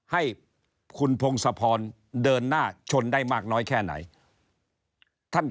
ให้คุณพงศพรเดินหน้าชนได้มากน้อยแค่ไหนท่าน